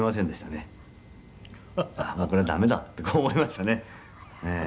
「これは駄目だってこう思いましたね」